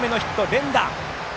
連打！